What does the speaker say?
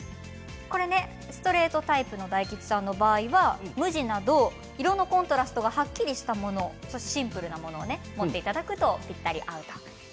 ストレートタイプの大吉さんの場合には無地など色のコントラストがはっきりしたもの、シンプルなものを持っていただくとぴったり合うということです。